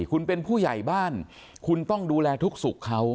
คุณเป็นผู้ใหญ่บ้านคุณต้องดูแลทุกสุขเขา